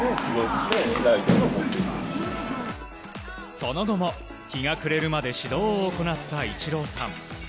その後も日が暮れるまで指導を行ったイチローさん。